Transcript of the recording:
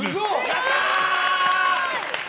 やったー！